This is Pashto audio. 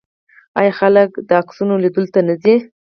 آیا خلک د انځورونو لیدلو ته نه ځي؟